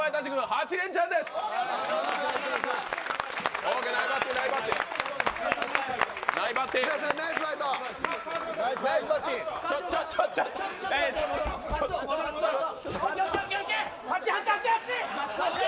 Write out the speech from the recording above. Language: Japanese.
８、８、８。